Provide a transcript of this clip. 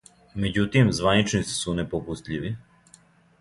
Међутим, званичници су непопустљиви.